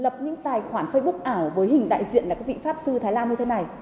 lập những tài khoản facebook ảo với hình đại diện là cái vị pháp sư thái lan như thế này